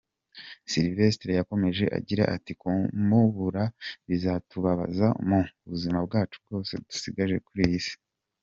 Sylvester yakomeje agira ati:"Kumubura bizatubabaza mu buzima bwacu bwose dusigaje kuri iyi si.